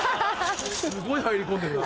すごい入り込んでるな。